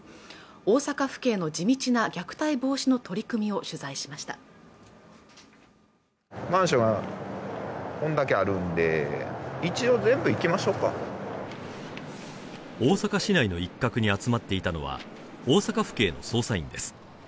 大阪府警の地道な虐待防止の取り組みを取材しました大阪市内の一角に集まっていたのは大阪府警の捜査員です